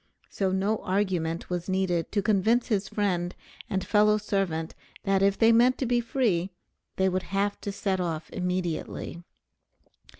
So no argument was needed to convince his friend and fellow servant that if they meant to be free they would have to set off immediately.